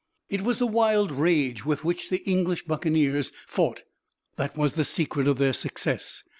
It was the wild rage with which the English buccaneers fought that was the secret of their success.